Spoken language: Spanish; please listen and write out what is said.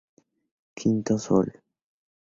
Quinto Sol;